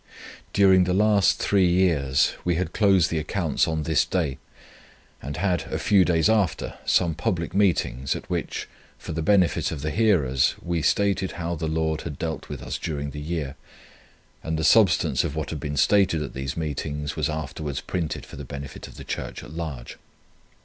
"During the last three years we had closed the accounts on this day, and had, a few days after, some public meetings, at which, for the benefit of the hearers, we stated how the Lord had dealt with us during the year, and the substance of what had been stated at these meetings was afterwards printed for the benefit of the church at large.